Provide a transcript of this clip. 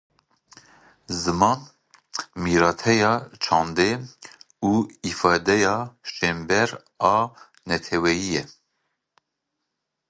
Ziman mîrateya çandê û îfadeya şênber a neteweyî ye.